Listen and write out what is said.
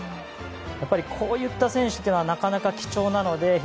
やっぱり、こういった選手はなかなか貴重なので。